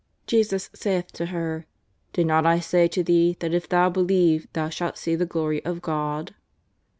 Jesus saith to her: " Did not I say to thee that if thou believe thou shalt see the glory of God